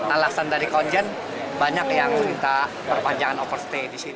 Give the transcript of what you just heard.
alasan dari konjen banyak yang minta perpanjangan overstay di sini